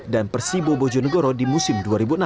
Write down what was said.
dan persibo bojonegoro di musim dua ribu enam